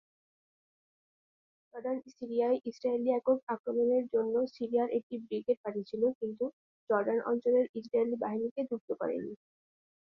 Jordan সিরিয়ায় Israeli একক আক্রমণের জন্য সিরিয়ার একটি ব্রিগেড পাঠিয়েছিল কিন্তু জর্ডান অঞ্চলের ইজরায়েলি বাহিনীকে যুক্ত করে নি।